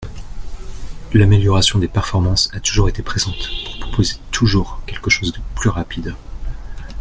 L’amélioration des performances a toujours été présente, pour proposer toujours quelque chose de plus rapide.